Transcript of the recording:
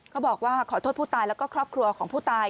เขาบอกว่าขอโทษผู้ตายแล้วก็ครอบครัวของผู้ตาย